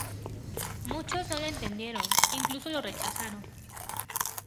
Muchos no lo entendieron, incluso lo rechazaron.